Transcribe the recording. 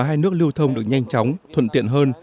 hai nước lưu thông được nhanh chóng thuận tiện hơn